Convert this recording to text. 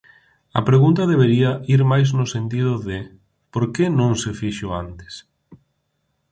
A pregunta debería ir máis no sentido de: por que non se fixo antes?